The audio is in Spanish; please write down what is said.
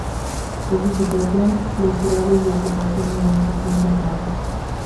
Por su situación, los grados de ocupación y urbanización son bajos.